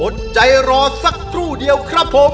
อดใจรอสักครู่เดียวครับผม